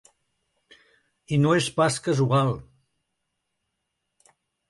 I no és pas casual.